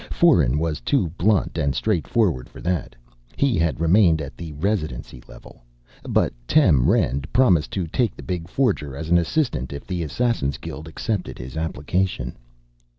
Foeren was too blunt and straightforward for that; he had remained at the Residency level. But Tem Rend promised to take the big forger as an assistant if the Assassin's Guild accepted his application.